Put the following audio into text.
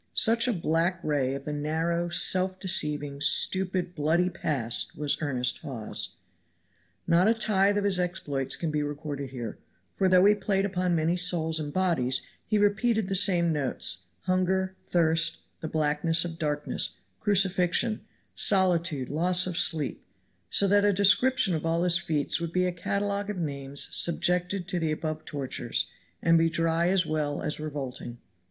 Such a black ray of the narrow, self deceiving, stupid, bloody past was earnest Hawes. Not a tithe of his exploits can be recorded here, for though he played upon many souls and bodies, he repeated the same notes hunger, thirst, the blackness of darkness, crucifixion, solitude, loss of sleep so that a description of all his feats would be a catalogue of names subjected to the above tortures, and be dry as well as revolting.